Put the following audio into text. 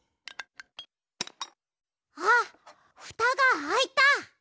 あっふたがあいた。